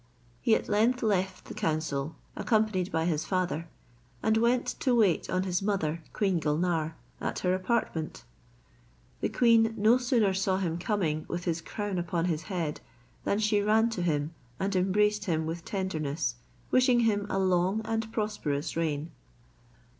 He at length left the council, accompanied by his father, and went to wait on his mother Queen Gulnare at her apartment. The queen no sooner saw him coming with his crown upon his head, than she ran to him and embraced him with tenderness, wishing him a long and prosperous reign.